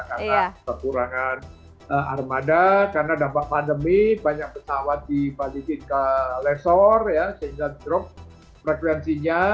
karena kekurangan armada karena dampak pandemi banyak pesawat di balikin ke lesor ya sehingga drop frekuensinya